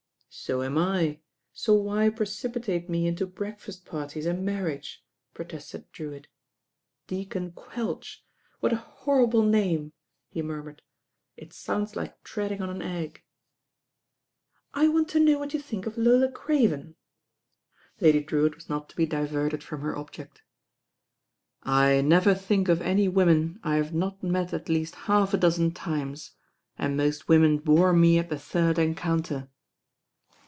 "So am I, so why precipitate me into breakfast parties and marriage," protested Drewitt. "Deacon Quelch, what a horrible name I" he murmured. "It sounds like treading on an egg." "I want to know what you think of Lola Cra ven?" Lady Drewitt was not to be diverted from her object. "I never think of any women I have not met at least half a dozen times, and most women bore me at the third encounter.